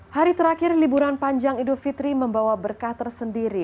hari terakhir liburan panjang idul fitri membawa berkah tersendiri